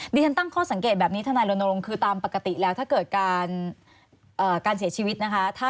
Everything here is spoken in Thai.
ที่ฉันตั้งข้อสังเกตแบบนี้ทนายรณรงค์คือตามปกติแล้วถ้าเกิดการเสียชีวิตนะคะ